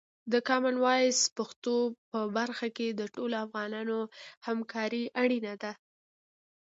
د کامن وایس پښتو په برخه کې د ټولو افغانانو همکاري اړینه ده.